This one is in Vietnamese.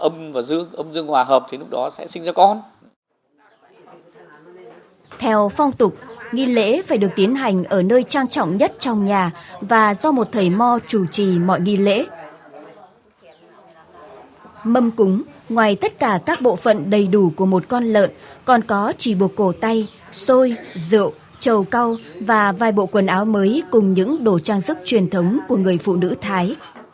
mâm cúng ngoài tất cả các bộ phận đầy đủ của một con lợn còn có chỉ bộ cổ tay xôi rượu trầu câu và vài bộ quần áo mới cùng những đồ trang sức truyền thống của người phụ nữ thái